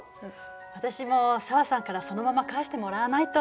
私も紗和さんからそのまま返してもらわないと。